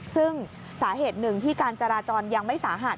ซึ่งสาเหตุหนึ่งที่การจราจรยังไม่สาหัส